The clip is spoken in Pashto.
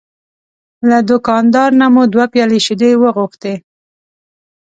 له دوکاندار نه مو دوه پیالې شیدې وغوښتې.